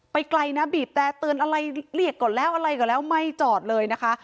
ไกลนะบีบแต่เตือนอะไรเรียกก่อนแล้วอะไรก่อนแล้วไม่จอดเลยนะคะ